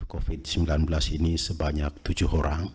covid sembilan belas ini sebanyak tujuh orang